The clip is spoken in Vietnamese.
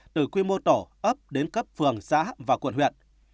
từ quy mô tổ ấp đến cấp phường xã và quận huyện